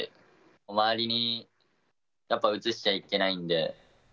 周りにやっぱうつしちゃいけない